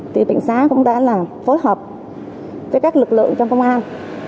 thì bệnh xá cũng đã là phối hợp với các lực lượng trong công an